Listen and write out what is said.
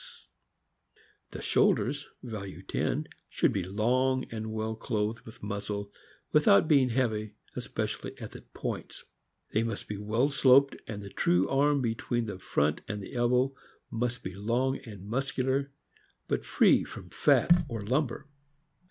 THE FOXHOUND. 201 The shoulders (value 10) should be long and well clothed with muscle, without being heavy, especially at the points. They must be well sloped, and the true arm between the front and the elbow must be long and muscular, but free from fat or lumber.